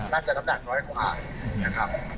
น้ำหนักน้อยกว่านะครับ